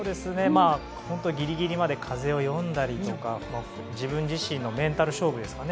本当にギリギリまで風を読んだりとか自分自身のメンタル勝負ですかね。